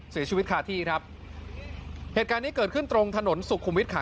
เสียชีวิตคาที่ครับเหตุการณ์นี้เกิดขึ้นตรงถนนสุขุมวิทย์ค่ะ